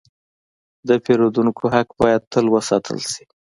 د پیرودونکو حق باید تل وساتل شي.